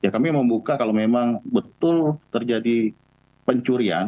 kami membuka kalau memang betul terjadi pencurian